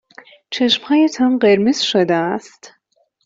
چشمهایتان قرمز شده است.